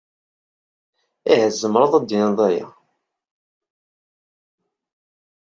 Ih, tzemreḍ ad d-tiniḍ aya.